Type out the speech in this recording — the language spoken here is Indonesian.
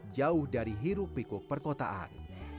jauh dari hirup pikuk perkotaan